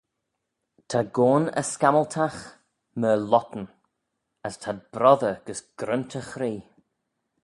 Ta goan y scammyltagh myr lhottyn, as t'ad broddey gys grunt y chree.